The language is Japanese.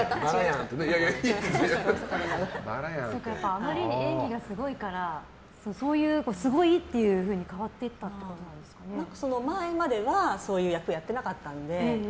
あまりに演技がすごいからすごいっていうふうに変わっていった前までは、そういう役をやっていなかったので。